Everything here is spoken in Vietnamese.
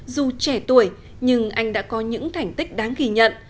dù trẻ tuổi nhưng anh đã có những thành tích đáng ghi nhận